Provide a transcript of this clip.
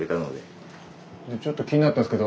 ちょっと気になったんですけど